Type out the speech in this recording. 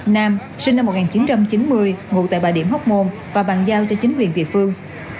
nam sinh năm một nghìn chín trăm chín mươi ngụ tại bà điểm hóc môn và bàn giao cho chính quyền địa phương